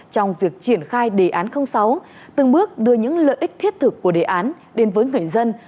trong việc triển khai đề án sáu từng bước đưa những lợi ích thiết thực của đề án đến với người dân